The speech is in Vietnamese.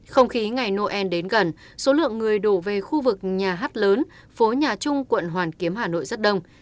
không khí ngày noel đến gần số lượng người đổ về khu vực nhà hát lớn phố nhà trung quận hoàn kiếm hà nội rất đông